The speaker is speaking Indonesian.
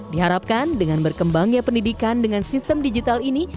diharapkan dengan berkembangnya pendidikan dengan sistem digital ini